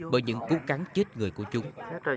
bởi những cú cắn chết người của chúng